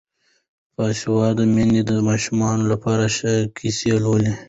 باسواده میندې د ماشومانو لپاره ښې کیسې لولي.